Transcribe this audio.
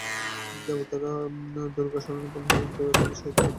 দেবতারা দুর্গার শরণাপন্ন হলেন দুর্গা তাদের সহায়তা করতে সম্মত হন।